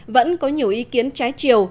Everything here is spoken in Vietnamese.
vẫn có nhiều ý kiến trái triều